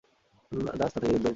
দাস তা থেকে দুধ দোহন করল।